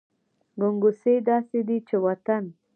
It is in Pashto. ګنګوسې داسې دي چې وطن …